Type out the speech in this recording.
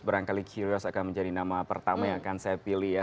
barangkali kios akan menjadi nama pertama yang akan saya pilih ya